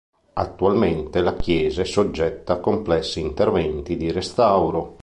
Attualmente la chiesa è soggetta a complessi interventi di restauro.